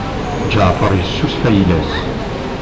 Ǧaɛfeṛ yessusef ayla-s.